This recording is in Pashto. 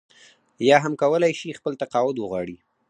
یا هم کولای شي خپل تقاعد وغواړي.